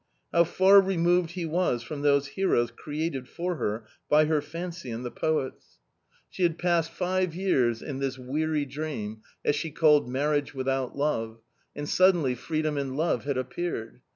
How far removed he was from those heroes created for her by her fancy and the poets ! A COMMON STORY 179 She had passed five years in this weary dream, as she called marriage without love, and suddenly freedom and love had appeared.